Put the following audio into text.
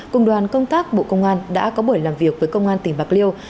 cùng đoàn công tác bộ công an đã có buổi làm việc với công an tỉnh bạc liêu